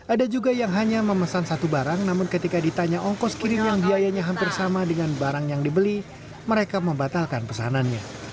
ada juga yang hanya memesan satu barang namun ketika ditanya ongkos kirim yang biayanya hampir sama dengan barang yang dibeli mereka membatalkan pesanannya